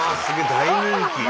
大人気。